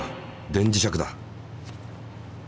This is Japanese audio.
電磁石だ。